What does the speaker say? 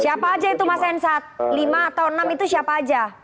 siapa saja itu mas enshad lima atau enam itu siapa saja